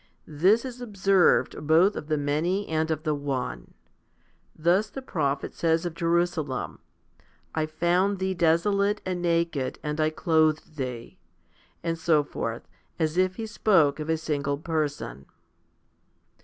This is observed both of the many and of the one. Thus the prophet says of Jerusalem, I found thee desolate and naked, and I clothed thee* and so forth, as if he spoke of a single person.